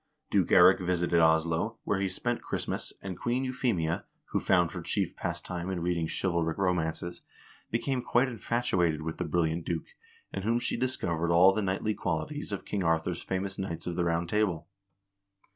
Duke Eirik visited Oslo, where he spent Christmas, and Queen Euphemia, who found her chief pastime in reading chivalric ro mances, became quite infatuated with the brilliant duke, in whom she discovered all the knightly qualities of King Arthur's famous knights of the Round Table.